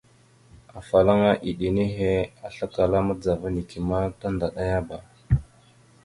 Afalaŋana iɗə nehe aslakala madəzava neke ma tandaɗayaba.